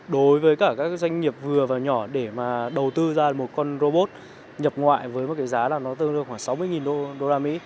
đối với cả các doanh nghiệp vừa và nhỏ để mà đầu tư ra một con robot nhập ngoại với một cái giá là nó tương đương khoảng sáu mươi usd